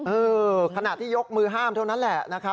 ขณะที่ยกมือห้ามเท่านั้นแหละ